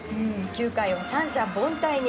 ９回を三者凡退に。